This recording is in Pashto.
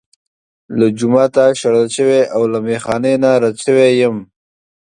له جوماته شړل شوی او له میخا نه رد شوی یم.